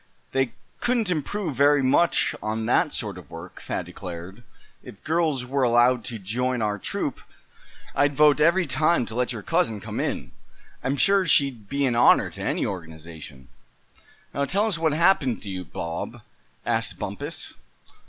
"They couldn't improve very much on that sort of work," Thad declared; "and if girls were allowed to join our troop I'd vote every time to let your cousin come in. I'm sure she'd be an honor to any organization." "Now tell us what happened to you, Bob!" asked Bumpus.